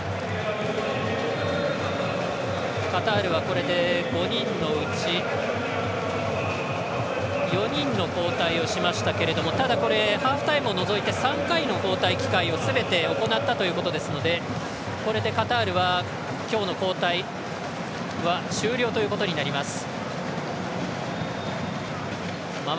カタールは、これで５人のうち４人の交代をしましたけれどもただ、ハーフタイムを除いて３回の交代機会をすべて行ったということですのでこれでカタールは今日の交代は終了ということになります。